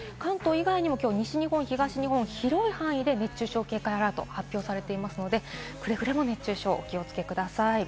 関東以外にも、きょう西日本、東日本、広い範囲で熱中症警戒アラート、発令されていますので、くれぐれも熱中症を気をつけください。